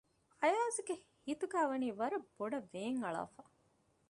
އަޔާޒުގެ ހިތުގައިވަނީ ވަރަށް ބޮޑަށް ވޭން އަޅާފަ